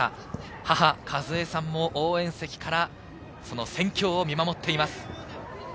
母・かずえさんも応援席から戦況を見守っています。